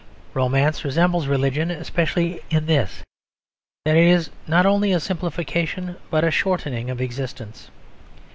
Romance resembles religion especially in this, that it is not only a simplification but a shortening of existence.